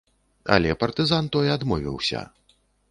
Але партызан той адмовіўся.